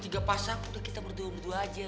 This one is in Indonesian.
tiga pasang udah kita berdua berdua aja